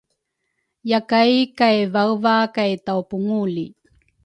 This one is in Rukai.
Yakay kay vaeva kay tawpungu li